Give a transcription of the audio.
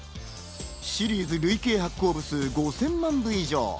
シリーズ累計発行部数５０００万部以上。